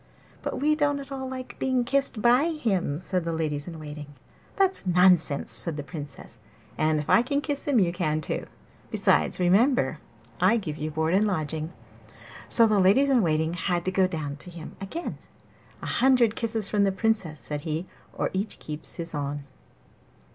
'But we don't at all like being kissed by him,' said the ladies in waiting. 'That's nonsense,' said the Princess; 'and if I can kiss him, you can too. Besides, remember that I give you board and lodging.' So the ladies in waiting had to go down to him again. 'A hundred kisses from the Princess,' said he, 'or each keeps his own.